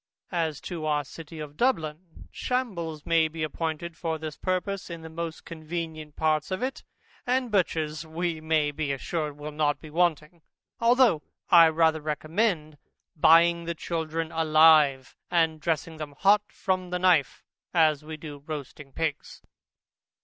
As to our City of Dublin, shambles may be appointed for this purpose, in the most convenient parts of it, and butchers we may be assured will not be wanting; although I rather recommend buying the children alive, and dressing them hot from the knife, as we do roasting pigs.